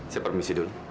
saya permisi dulu